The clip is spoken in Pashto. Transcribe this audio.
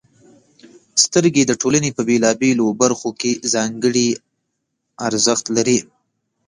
• سترګې د ټولنې په بېلابېلو برخو کې ځانګړې ارزښت لري.